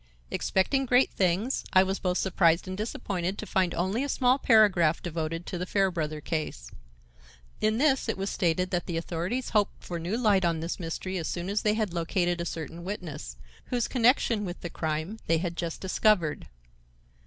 Expecting great things, I was both surprised and disappointed to find only a small paragraph devoted to the Fairbrother case. In this it was stated that the authorities hoped for new light on this mystery as soon as they had located a certain witness, whose connection with the crime they had just discovered.